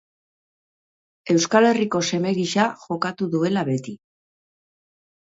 Euskal Herriko seme gisa jokatu duela beti.